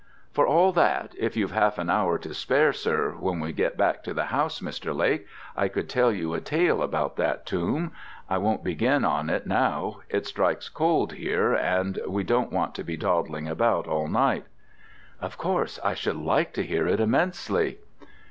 For all that, if you've half an hour to spare, sir, when we get back to the house, Mr. Lake, I could tell you a tale about that tomb. I won't begin on it now; it strikes cold here, and we don't want to be dawdling about all night." "Of course I should like to hear it immensely."